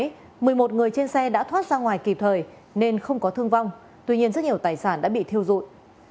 trước đó một mươi một người trên xe đã thoát ra ngoài kịp thời nên không có thương vong tuy nhiên rất nhiều tài sản đã bị thiêu dụi